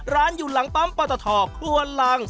ร้านอยู่หลังปั๊มปลาตะทอกครัวหลัง